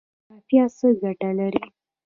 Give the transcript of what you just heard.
جغرافیه څه ګټه لري؟